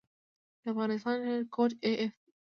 د افغانستان انټرنیټ کوډ af دی